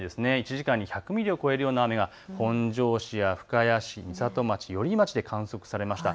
１時間に１００ミリを超えるような雨が本庄市や深谷市、美里町、寄居町で観測されました。